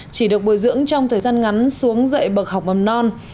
chỉ được bồi dưỡng trong thời gian ngắn xuống dạy bậc học mầm non